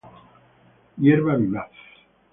Hierba vivaz.